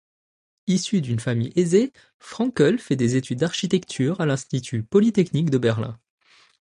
Issu d’une famille aisée, Frankl fait des études d’architecture à l’institut polytechnique de Berlin.